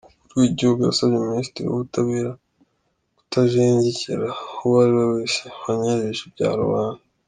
Umukuru w’Igihugu yasabye Minisitiri w’Ubutabera kutajengekera uwo ari wese wanyereje ibya rubanda.